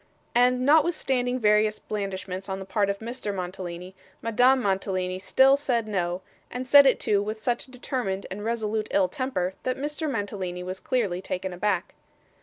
And notwithstanding various blandishments on the part of Mr. Mantalini, Madame Mantalini still said no, and said it too with such determined and resolute ill temper, that Mr. Mantalini was clearly taken aback.